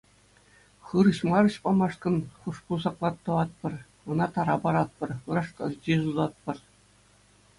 Хырӑҫ-марӑҫ памашкӑн хушпу саклат хыватпӑр, ӑна тара паратпӑр, ыраш калчи сутатпӑр.